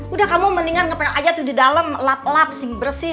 udah kamu mendingan ngepel aja tuh di dalam lap lap bersih